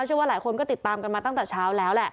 เชื่อว่าหลายคนก็ติดตามกันมาตั้งแต่เช้าแล้วแหละ